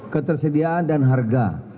ketersediaan dan harga